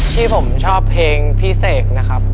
ที่ผมชอบเพลงพี่เสกนะครับ